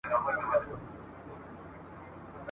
خلك ستړي جگړه خلاصه كراري سوه !.